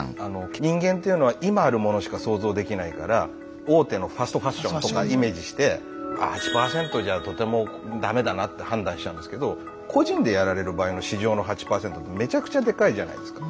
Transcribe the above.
人間っていうのは今あるものしか想像できないから大手のファストファッションとかイメージして８％じゃとても駄目だなって判断しちゃうんですけど個人でやられる場合の市場の８％ってめちゃくちゃでかいじゃないですか。